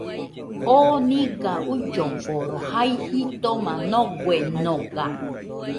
Oo nɨga uilloforo jai jitoma noguenoga